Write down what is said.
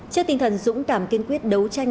trước tinh thần dũng cảm kiên quyết đấu tranh